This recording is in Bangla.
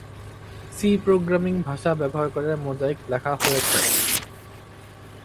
সি প্রোগ্রামিং ভাষা ব্যবহার করে মোজাইক লেখা হয়েছে।